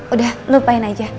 udah lupain aja